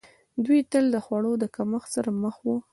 دوی تل د خوړو د کمښت سره مخ وو.